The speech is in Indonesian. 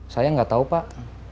saya gak tau pak